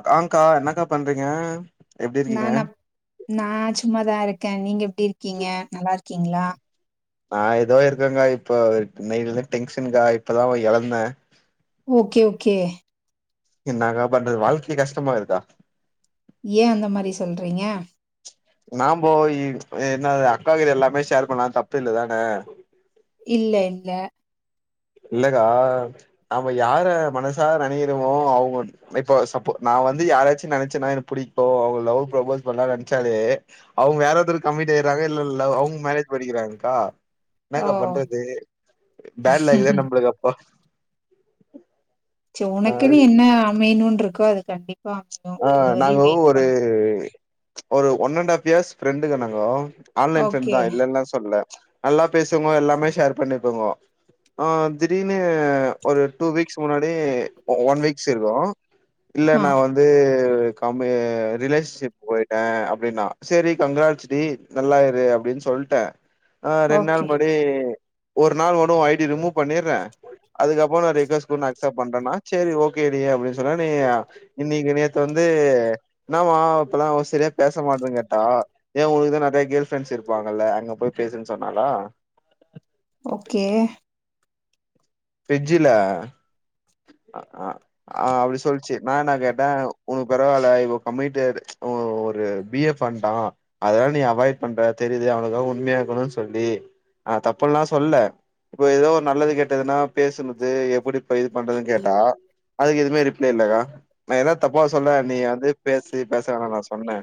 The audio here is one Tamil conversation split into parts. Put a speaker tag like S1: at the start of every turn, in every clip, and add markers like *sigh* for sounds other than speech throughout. S1: அதாங்கா என்னக்கா பண்றீங்க எப்டி இருக்கீங்க
S2: நானா நா சும்மாதா இருக்கே நீங்க எப்டி இருக்கீங்க நல்லா இருக்கீங்ளா
S1: நா எதோ இருக்கேங்கா இப்போ இன்னெய்லந்து டென்ஷன்கா இப்பதா எழந்தே
S2: ஓகே ஓகே
S1: இன்னாகா பண்றது வாழ்க்கையே கஷ்டமாகுதுகா
S2: ஏ அந்தமாரி சொல்றீங்க
S1: ந போயி என்ன அக்காகிட்ட எல்லாமே ஷேர் பண்லா தப்பு இல்லதானே
S2: இல்ல இல்ல
S1: இல்லக்கா நாம யார மனசார நெனக்கிறமோ அவுங்க இப்போ சப்போ நா வந்து யாராச்சு நெனச்சேன்னா எனக் புடிக்கு அவுங்க லவ் ப்ரபோஸ் பண்லா நெனச்சாலே அவுங்க வேரொருத்துருக் கம்மிட் ஆயிற்றாங்க இல்ல இல்ல அவுங் மேரேஜ் பண்ணிக்கிறாங்க்கா
S2: ஓ
S1: இன்னாக்கா பண்றது பேட்லக்கு தா நம்பளுக் அப்போ
S2: செ
S1: ஆ
S2: உனக்குன்னு என்ன அமையனுன் இருக்கோ அது கண்டி
S1: ஆ நாங்க ஒரு ஒரு ஒன் அண்ட் ஹாஃப் இயர்ஸ் ஃப்ரெண்டுங்க நாங்கோ ஆன்லைன் ஃபிரண்ட்
S2: ஓகே
S1: தா இல்லன்ல சொல்ல நல்லா பேசுங்கோ எல்லாமே ஷேர் பண்ணிப்போங்கோ ஆ திடீர்னு ஒரு டூ வீக்ஸ் முன்னாடி ஒன் வீக்ஸ் இருக்கு இல்ல
S2: ஆ
S1: நா வந்து கம்மு ரிலேஷன்ஷிப் போயிட்டே அப்டின்னா செரி கங்ராட்ஸ் டி நல்லாயிரு அப்டின் சொல்ட்டே ஆ
S2: ஓகே
S1: ரெண்நாள் முன்னாடி ஒரு நாள்மட்டு உ ஐடி ரிமூவ் பண்ணிற்றே அதுக்கப்றோ நா ரெக்வஸ்ட் குடு நா அக்சப்ட் பண்றேனா செரி ஓகே டி அப்டின் சொன்னா நீ எ இன்னிக்கு நேத்து வந்து என்னாவா அவ இப்பல்லா சரியா பேச மாட்டறேங்கேட்டா ஏ உனுக்குதா நெறய கேர்ள் ஃப்ரெண்டஸ் இருப்பாங்கல்ல அங்க போய் பேசுன் சொன்னாலா
S2: ஓகே
S1: ஃபிரிட்ஜிலா அ அ ஆ அப்டி சொல்ச்சி நா இன்னா கேட்ட உனக்கு பரவால்ல இப்போ கமிடட் ஒரு பி எஃப் வன்டா அதனால நீ அவாய்ட் பண்ற தெரிது அவுனுக்கா உண்மயாயிருக்கனு சொல்லி நா தப்பல்லா சொல்ல இப்போ எதோ ஒரு நல்லது கெட்டதுன்னா பேசுனது எப்டி இப்ப பண்றதுன்னு கேட்டா அதுக்கு எதுமே ரிப்ளே இல்லக்கா நா எதா தப்பா சொல்ல நீ வந்து பேசு பேசவேணா நா சொன்ன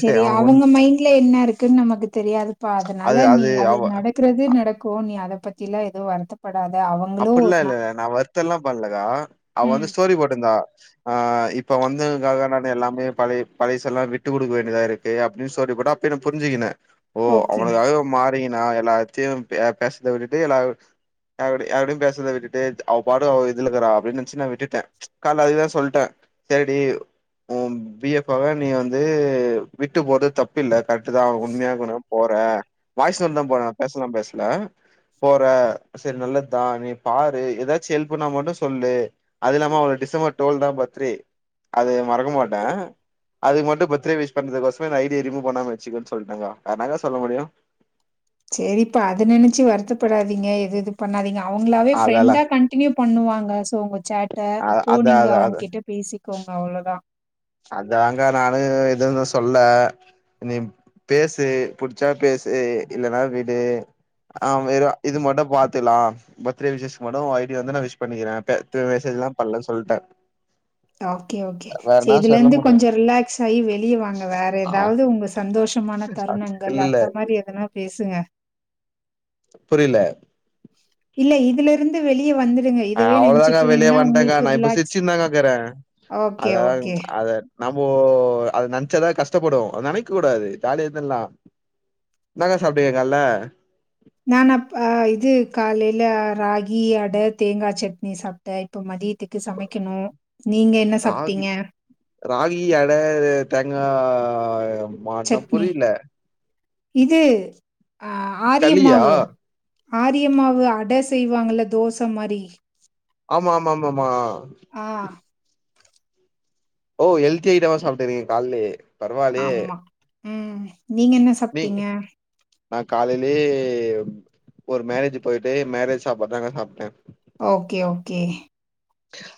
S2: செரி அவுங்க மைண்ட்ல என்ன இருக்குன் நமக்கு தெரியாதுப்பா
S1: அது
S2: அதனால நீ அது
S1: அவ
S2: நட க்றது நடக்கு நீ அத பத்திலா எது வருத்த படாத அவங்
S1: அப்பட்லா இல்ல நா வருத்தோல்லா பட்லக்கா அவ
S2: ம்
S1: வந்து ஸ்டோரி போட்ருந்தா ஆ இப்ப வந்து உனக்காக நா எல்லாமே பழை பழைசல்லா விட்டுக் குடுக்க வேண்டியதாயிருக்கு அப்டின் ஸ்டோரி போட்டா ப்பே நா புரிஞ்சிகன ஓ
S2: ஓகே
S1: அவனுக்காக இவ மாறிகினா எல்லாத்தியு பேசுறத விட்டுட்டு எல்லா அப்டி யாரோடையு பேறசத விட்டுட்டு அவ பாடு அவ இதுலக்கறா அப்டின்னு நனச்சு நா விட்டுட்ட கால்ல அதேதா சொல்ட்ட செரி டி ஒ பிஎஃப்ஃபாவ நீ வந்து விட்டு போறது தப்புல்ல கர்ட்டு தா உண்மயா இருக்குனு போற வாய்ஸ் நோட் தா போற பேசலா பேசல போற சரி நல்ல அத்தா நீ பாரு எதாச்சு எல்புணா மட்டு சொல்லு அது இல்லாம அவ டிசம்பர் டுவல் தா பத்ரே அது மறக்க மாட்ட அது மட்டு பர்த்டே விஷ் பண்ணதுக்கோசமே ஐடிய ரிமூ பண்ணாம வச்சுகோன்னு சொல்லட்டாங்க அதாக்கா சொல்ல முடியு
S2: சரிப்பா அது நெனைச்சு வருத்தப்படாதீங்க எது இது பண்ணாதீங்க அவங்களாவே
S1: அதால
S2: ஃப்ரெண்டா கண் டினியூ பண்ணுவாங்க சோ உங்க சாட்ட
S1: அ
S2: அப்போ
S1: அதா
S2: நீங்க
S1: அதா
S2: அவங்க
S1: அத
S2: கிட்ட பேசிக்கோங்க அவ்ளோதா
S1: அதாங்க நானு எதூ இன்னு சொல்ல நீ பேசு புடிச்சா பேசு இல்லன்னா விடு ஆ வெறு இது மட்டு பாத்துலா பர்த்டே விஷஷ்ஸ்கு மட்டு ஒ ஐடிய வந்து நா விஷ் பண்ணிக்கிற மெசேஜ்ல்லா பண்லன்னு சொல்ட்ட
S2: ஓகே ஓகே சரி
S1: சொல்ல
S2: இதுலந்து
S1: முடியு
S2: கொஞ்ச ரிலாக்ஸ் ஆயி வெளியவாங்க வேற
S1: ஆ
S2: எதாவது உங்க சந்தோஷமான
S1: இல்ல
S2: தருணங்கள்
S1: இல்ல
S2: அந்த மாரி எதனா பேசுங்க
S1: புரில
S2: இல்ல இதுல இருந்து வெளியே வந்துடுங்க
S1: ஹ
S2: இதவே
S1: அவ்ளோதாக்க
S2: நெனச்சுட்டு
S1: வெளிய
S2: இருந்தீங்கன்னா
S1: வன்டக்கா
S2: உங்களுக்கு
S1: நா இப்ப
S2: ரிலாக்ஸ்
S1: சிர்ச்சுனு தா கா கீற
S2: ஓகே,
S1: அததா
S2: ஓகே.
S1: அத நம்போ அத நெனச்சாதா கஷ்டப்படு நெனைக்க கூடாது ஜாலியாஇந்தல்லா என்னக்கா சாப்டிங்க கால்ல
S2: நானா பா இது காலைல ராகி அட தேங்கா சட்னி சாப் ட இப்ப மதியத்துக்கு சமைக்கணு நீங்க என்ன
S1: ராகி
S2: சாப்ட்டீங்க
S1: ராகி அட தேங்கா மாட்னா
S2: சட்னி
S1: புரில
S2: இது ஆ
S1: களியா
S2: ஆரியம்மாவு ஆரியம்மாவு அட செய்வாங்கல்ல தோச மாரி
S1: ஆமா ஆமா ஆமா ஆமா
S2: ஆ
S1: ஓ ஹெல்தி ஐட்டம்மா சாப்ட்டுருறீங்க கால்லே
S2: ஆமா ம் நீங்க என்ன
S1: நீ
S2: சாப்ட்டீங்க
S1: நா காலேலே ஒரு மேரேஜ் போய்ட்டு மேரேஜ் சாப்பாடுதாக்கா சாப்ட்ட
S2: ஓகே ஓகே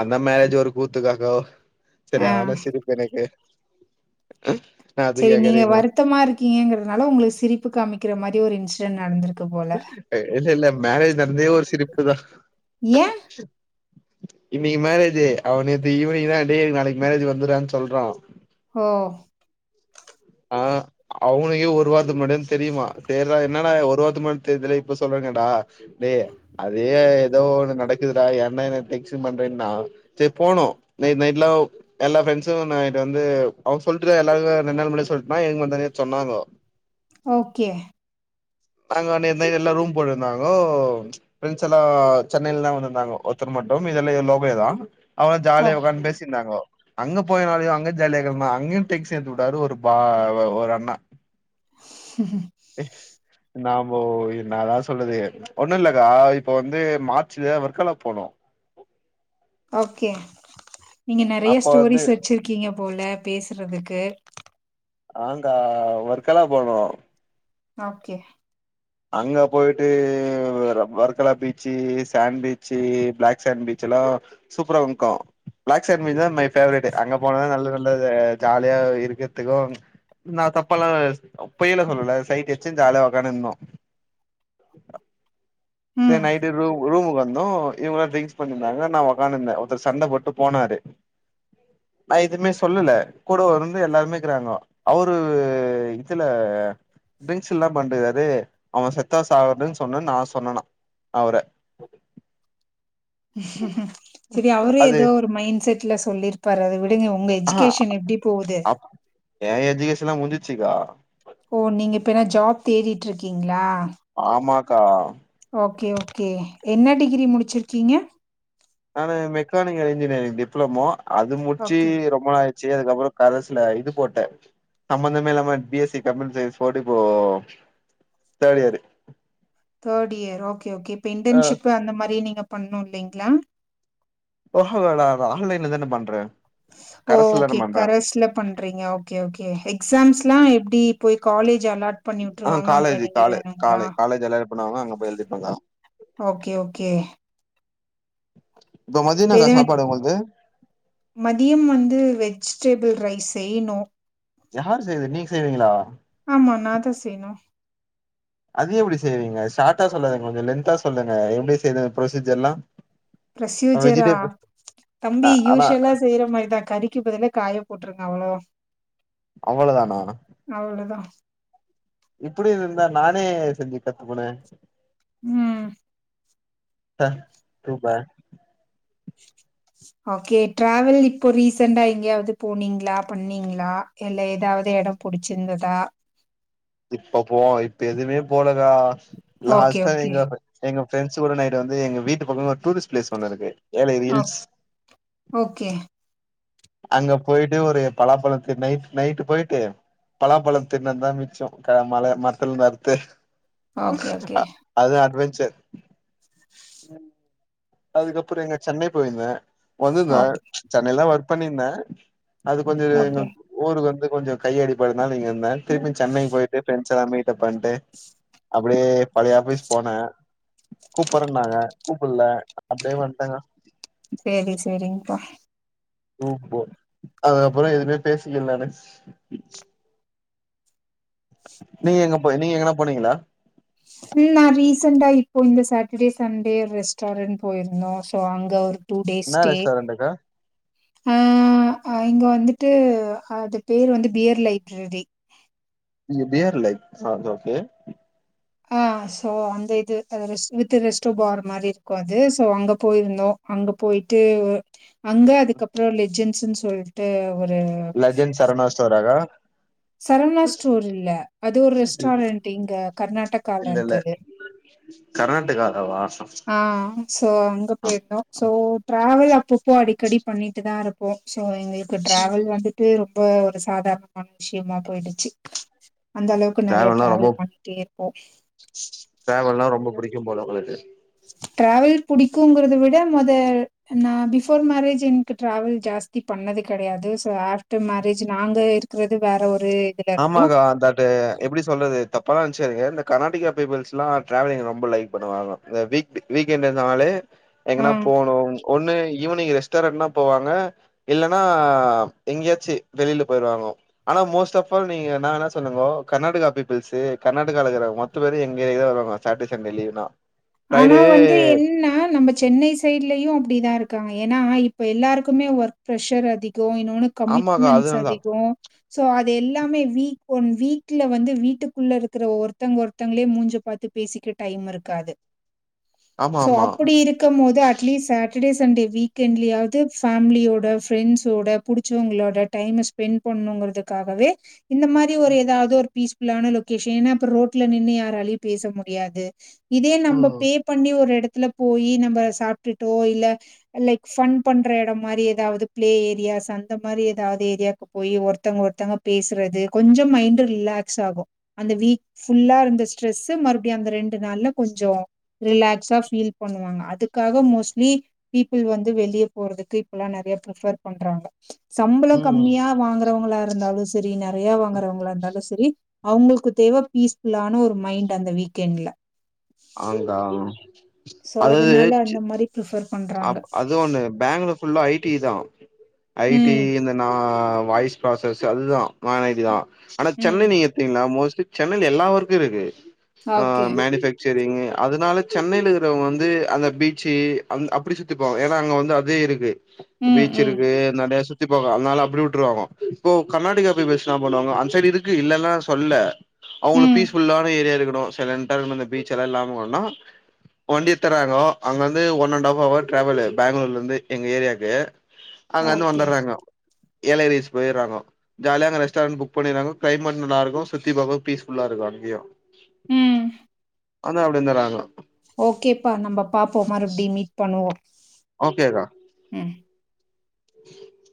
S1: அந்த மேரஜ்ஜு ஒரு கூத்துக்காக
S2: ஆ
S1: செரியான சிரிப்பு எனக்கு அ
S2: செரி நீங்க வருத்தமா இருக்கீங்கங்குறதுனால உங்ளுக் சிரிப்பு காமிக்ற மாரி ஒரு இன்ஸ்டன்ட் நடந்துருக்கு போல
S1: இல்ல இல்ல மேரேஜ் நட்ந்தே ஒரு சிரிப்பு தா
S2: ஏ
S1: இன்னிக்கு மேரேஜ்ஜி அவன் நேத்து ஈவ்னிங் தா டேய் நாளைக் மேரேஜு வந்துர்றான் சொல்றான்
S2: ஓ
S1: ஆ அவுனுக்கே ஒரு வார்த்துக் முன்னாடி தா தெரியுமா சேரி என்னடா ஒரு வார்த்துக் முன்னாடி தெர்துல இப்ப சொல்றானேடா டே அதே ஏதோ ஒண்ணு நடக்குதுடா ஏன்டா என்ன டென்சன் பண்றேன்னா சேர் போனோ நைட் நைட்லா எல்லா ஃப்ரெண்ட்ஸு நைட்டு வந்து அவுங் சொல்ட்டுதா எல்லார்க்கோ ரெண்டு நாள் முன்னடியே சொல்ட்ன்னா எங் வ தனியா சொன்னாங்கோ
S2: ஓக்கே
S1: நாங்க ஒண்டிந்தா எல்லா ரூம் போட்டுருந்தாங்கோ ப்ரெண்ட்ஸ் எல்லா சென்னைல்தா வந்துந்தாங்கோ ஒத்தரு மட்டோ மீதியெல்லா எ லோக்லேதா அவுங்ளா
S2: ஓ
S1: ஜாலியா உக்காந் பேசின்ர்ந்தாங்கோ அங்க போயுனாலயு அங்க ஜாலியாக்கர்னா அங்கியு டேன்சின் ஏத்தி உட்டாரு ஒரு பா ஒரு அண்ணா *inaudible*
S2: ஹம்
S1: எ இன்னா போ இன்னா தா சொல்லுது ஒண்ணு இல்லக்கா இப்ப வந்து மார்ச்ல வர்க்காலா போனோ
S2: ஓக்கே நீங்க நெறய
S1: அப்ப வந்து
S2: ஸ்டோரிஸ் வெச்சிருக்கிங்க போல பேசுறதுக்கு
S1: ஆங்கா வர்க்காலா போனோ
S2: ஓக்கே
S1: அங்க போய்ட்டு Varkala beach sand beach black sand பீச்செல்லா சூப்புரா உன்கோ ப்ளாக் சான்ட் பீச் தா மை பேவரட்டு அங்க போனாதா நல்ல நல்ல ஜாலியா இருக்கர்துக்கும் நா தப்ப எல்லா பொய்யலா சொல்லல சைட்டச்சுன் ஜால்யா ஒக்கான்னுந்தோ அ தே
S2: ம்
S1: நைட்டு ரூமுக் ரூமுக்கு வந்தோ இவுங்ளா ட்ரிங்க்ஸ் பண்ணின்ருந்தாங்க நா ஒக்கானுந்த ஒர்த்தர் சண்ட போட்டு போனாரு நா எதுமே சொல்லல கூடோ வருந்து எல்லார்மேக்குறாங்க அவுரு இதுல ஆ ட்ரிங்க்ஸ்ஸுல்ல பண்ட்டுக்குராரு அவன் செத்தா சாவட்டுன் சொன்னன் நா சொன்னனா அவுர
S2: செரி அவுரே
S1: அது
S2: எதோ ஒரு மைண்ட் செட்ல சொல்லிருப்பாரு அத விட் விடுங்க உங்க
S1: ஆஹா
S2: எஜுகேஷன் எப்டி போவுது
S1: அப் ஏ எஜூகேஷன்லா முஞ்சிச்சிக்கா
S2: ஓ நீங்க இப்ப என்ன ஜாப் தேடிட்ருக்கிங்ளா
S1: ஆமா கா
S2: ஓக்கே ஓக்கே என்ன டிகிரி முடிச்சிர்க்கீங்க
S1: நானு மெக்கானிக்கல் இன்ஜினியரிங் டிப்ளமோ அது முட்ச்சி
S2: ஓகே
S1: ரொம்ப நா ச்சி அதுக்கப்றோ கரஸ்ல இது போட்ட சம்மந்தமே இல்லாம B S C computer science போட்டு இப்போ தேட் year
S2: third year okay okay இப்ப
S1: ஆ
S2: இன்டன்ஷிப் அந்த மாரி நீங்க பண்ணோ இல்லைங்ளா
S1: போஹ வேணா அத ஆன்லைன்ல தான பண்றே
S2: ஓ
S1: கரஸ்ல தான
S2: ஓகே
S1: பண்றே
S2: கரஸ்ல பண்றீங்க ஓகே ஓகே எக்ஸாம்ஸ்லாம் எப்படி போய் காலேஜ் அலாட் பண்ணி
S1: ஆ
S2: விட்டுருவாங்க அங்க
S1: காலேஜ்
S2: நீங்க
S1: காலே
S2: எழுதனுங்களா
S1: காலே காலேஜ் எல்லாரு பண்ணுவாங்க அங்க போய் எழுதிப்பேக்கா
S2: ஓகே ஓகே
S1: இப்ப மதியனாம் என்னா சாப்பாடு உங்கள்து
S2: மதியம் வந்து வெஜ்டேபிள் ரைஸ் செய்ணும்
S1: யார் செய்து நீங்க செய்றீங்களா
S2: ஆமா நான் தான் செய்ணும்
S1: அதை எப்படி செய்வீங்க ஷார்ட்டா சொல்லாதீங்க கொஞ்சம் லென்தா சொல்லுங்க எப்படி செய்ரது ப்பொரசீஜர்ல்லாம்
S2: பிரொசூஜரா
S1: ஆ
S2: தம்பி
S1: ஆனா
S2: யூஷுவலா செய்யற மாதிரிதான் கறிக்கு பதிலா காய போட்டுருங்க அவ்ளோதா
S1: அவ்ளோதானா
S2: அவ்ளதான்
S1: இப்படி இருந்தா நானே செஞ்சு கத்துப்பனே
S2: ம்
S1: த சூப்பர்
S2: ஸ் ஓகே டிராவெல் இப்போ ரீசண்டடா எங்கயாவது போனீங்களா பண்ணீங்களா இல்ல எதாது இடம் பிடிச்சிருந்ததா
S1: இப்ப போவோம் இப்ப எதுவுமே போலக்கா
S2: ஓகே
S1: லாஸ்ட்டா
S2: ஓகே
S1: நீங்க எங்க ஃப்ரெண்ட்ஸ் கூட நைட்டு வந்து எங்க வீட்டு பக்கம் ஒரு டூரிஸ்ட் ப்ளேஸ் ஒன்னு இருக்கு ஏலகிரி
S2: ஓ
S1: ஹில்ஸ்
S2: ஓகே
S1: அங்க போயிட்டு ஒரு பலாப்பழத்து நைட் நைட்டு் போயிட்டு பழாம்பழத்த தின்னது தா மிச்சம் மல மரத்தல இருந்து அறுத்து
S2: ஓகே
S1: ஆ அது அட்வெஞ்சர்
S2: ஸ்
S1: அதுக்கப்புறம் எங்க சென்னை போயிந்தேன் வந்துருந்தேன்
S2: ஓகே
S1: சென்னைலதா ஒர்க் பண்ணியிருந்தேன் அது கொஞ்ச
S2: ஓகே
S1: ஊருக்கு வந்து கொஞ்ச கை அடிப்படுதுனால இங்க இருந்தே திரும் சென்னைக்கு போயிட்டு பிரண்ட்ஸ்ல்லாம் மீட்டப் பண்ணிட்டு அப்படியே பழைய ஆஃபீஸ் போனேன் கூப்பற்ன்னாங்க கூப்பிடல அப்படியே வண்ட்டங்க
S2: சேரி சேரிங்பா
S1: ப்ப அதுக்கப்புற எதுவுமே பேசிக்கல நானு நீங்க எங்க நீங்க எங்கனா போனீங்களா
S2: நான் ரீசென்டா இப்போ இந்த சாட்டர்டே சண்டே ரெஸ்டாரன் போயிருந்தோ சோ அங்க ஒரு டூ டேஸ்
S1: என்னா
S2: ஸ்டே
S1: ரெஸ்டாரண்ட்டுக்கா
S2: ஆ இங்க வந்துட்டு அது பேர் வந்து பியர் லைப்ரரி
S1: இது பியர் லைட் ஓகே
S2: ஆ ஸோ அந்த இது அ ரெஸ் வித் ரெஸ்ட்டு பார் மாதிரி இருக்கும் அது ஸோ அங்கே போயிருந்தோம் அங்க போயிட்டு அங்க அதுக்கப்புறம் லெஜென்ஸ்ன்னு சொல்லிட்டு ஒரு
S1: லெஜன் சரவணா ஸ்டோராக்கா
S2: சரவணா ஸ்டோர் இல்ல அது ஒரு ரெஸ்டாரண்ட் இங்க கர்நாடகால
S1: இல்ல இல்ல
S2: இருக்கு அது
S1: கர்நாடகாவா
S2: ஆ சோ அங்கே போயிருந்தோம் சோ டிராவல் அப்பப்போ அடிக்கடி பண்ணிட்டு தா இருப்போ சோ எங்க டிராவல் வந்துட்டு ரொம்ப ஒரு சாதாரணமான விஷயமா போயிடுச்சு அந்த அளவுக்கு இப்ப நெறைய டிராாவல் பண்ணிட்டே இருப்போ
S1: ட்ராவல்னா ரொம்ப புடிக்கும் போல உங்களுக்கு
S2: ட்ராவல் புடிக்குங்கறத விட மொத நா பிஃபோர் மேரேஜ் என்க்கு ட்ராவல் ஜாஸ்தி பண்ணது கெடயாது சோ ஆஃப்டர் மேரேஜ் நாங்க இரு க்றது வேற ஒரு இதுல இருக்கோ
S1: ஆமாக்கா அந்த ரு எப்பிடி சொல்றது தப்பால்லா நென்ச்சிக்காதீங்க இந்த கர்நாடிகா பீப்பிள்ஸ்ல்லா ட்ராவலிங் ரொம்ப லைக் பண்ணுவாங்க இந்த வீக் டு வீக்கெண்டு நாளு
S2: ஆ
S1: எங்கனா போணு ஒன்னு ஈவினிங்கு ரெஸ்ட்டாரண்ட்னா போவாங்க இல்லனா எங்யாச்சி வெளில போய்ருவாங்க ஆனா மோஸ்ட் ஆஃப் ஃபால் நீங்க என்ன வேணா சொல்லுங்கோ கர்நாடகா பீப்பிள்ஸு கர்நாடகாலிக்கற மொத்த பேரு எங்க ஏரியாக் தா வருவாங்கோ சாட்டே சண்டே லீவுன்னா
S2: ஆனா வந்து என்னா நம்ம சென்னை சைட்லயு அப்டிதா இருக்காங்க ஏனா இப்ப எல்லாருக்குமே ஒர்க் ப்ரெஷர் அதிகோ இன்னோன்னு
S1: ஆமாக்கா.
S2: கமிட்மெண்ட்ஸ்
S1: அதனால தான்.
S2: அதிகோ சோ அது எல்லாமே வீக் ஒன் வீக்ல வந்து வீட்டுக்குள்ள இருக்கற ஒ ஒருத்தங்க ஒருத்தங்களே மூஞ்ச பாத்து பேசிக்க டைம் இருக்காது
S1: ஆமா,
S2: சோ
S1: ஆமா.
S2: அப்பிடி இருக் கம்மோது அட்லீஸ்ட் சாட்டடே சண்டே வீக் எண்ட்லயாவ்து ஃபேமிலியோட ஃப்ரெண்ட்ஸோட புடிச்சவ்ங்களோட டைம ஸ்பெண்ட் பண்ணுங்கறதுக்காகவே இந்த மாரி ஒரு எதாவ்து ஒரு பீஸ் ஃபுல்லான லொக்கேஷன் ஏனா அப்ப ரோட்ல நின்னு யாராலியு பேச முடியாது இதே நம்ப
S1: ம்.
S2: பே பண்ணி ஒரு எடத்துல போயி நம்ப சாப்ட்டுட்டோ இல்ல லைக்ஸ் ஃபன் பண்ற எடம் மாரி எதாவ்து ப்ளே ஏரியாஸ் அந்த மாரி எதாவ்து ஏரியாவ்க்கு போயி ஒருத்தங்க ஒருத்தங்க பேசறது கொஞ்சோ மைண்டு் ரிலாக்ஸ் ஆகு அந்த வீக் ஃபுல்லா இருந்த ஸ்ட்ரெஸ்ஸு மறுபடியு அந்த ரெண்டு நாள்ல கொஞ்சோ ரிலாக்ஸா ஃபீல் பண்ணுவாங்க அதுக்காக மோஸ்ட்லி பீப்புள் வந்து வெளிய போறதுக்கு இப்பலா நெறய ப்ரிஃபர் பண்றாங்க சம்பளோ
S1: ம்.
S2: கம்மியா வாங்கறவ்ங்களா இருந்தாலு செரி நெறய வாங்கறவ்ங்களா இருந்தாலு செரி அவுங்கள்க்கு தேவ பீஸ் ஃபுல்லான ஒரு மைண்ட் அந்த வீக் எண்ட்ல
S1: ஆங்க்கா
S2: சோ
S1: அதாவது
S2: அதுனால
S1: ச்
S2: அந்த மாரி ப்ரிஃபர் பண்
S1: அப் அது ஒன்னு பேங்களூர் ஃபுல்லா ஐ டி தா ஐ டி
S2: ம்
S1: இந்த நா வாய்ஸ் ப்ராசஸ் அது தா நான் ஐ டி தா ஆனா
S2: ம்
S1: சென்னை நீங்க பாத்தீங்னா மோஸ்ட்லி சென்னைல எல்லா ஒர்க்கு இருக்கு ஆ
S2: ஓகே
S1: மேனிஃபேக் சரிங்கு அதுனால சென்னைலிக்கறவ்ங்க வந்து அந்த பீச்சு அந் அப்பிடி சுத்திப்பாங் ஏனா அங்க வந்து அதே இருக்கு
S2: ம்
S1: பீச்
S2: ம்
S1: இருக்கு நெறய சுத் திப்பாங்க அதுனால அப்பிடி வுட்ருவாங்கோ இப்போ கர்நாடிகா பீப்பிள்ஸ் என்னா பண்ணுவாங்க அந் சைடு இருக்கு இல்லன்லா சொல்ல அவுங்களுக்
S2: ம்
S1: பீஸ்ஃபுல்லான ஏரியா இருக்கணு சைலன்ட்டாருக்கணு இந்த பீச் எல்லா இல்லாம ஒட்னா வண்டி எத்தர்றாங்கோ அங்க வந்து ஒன்னண் டாஃப் அவர் ட்ராவலு பேங்ளூர்லர்ந்து எங்க ஏரியாக்கு அங்கர்ந்து
S2: ஓகே
S1: வந்தர்றாங்கோ ஏலகிரிஸ் போயர்றாங்கோ ஜாலியா அங்க ரெஸ்ட்டாரண்ட் புக் பண்ணீர்க்காங்கோ க்ளைமட் நல்லாருக்கு சுத்தி பாக்க பீஸ்ஃபுல்லா இருக்கு அங்கயு
S2: ம்
S1: வந்தா அப்டி வந்தர்றாங்கோ
S2: ஓகேப்பா நம்ப பாப்போ மறுப்டி மீட் பண்ணுவோ
S1: ஓகேக்கா
S2: ம்
S1: *inaudible*